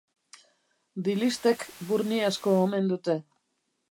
Dilistek burni asko omen dute.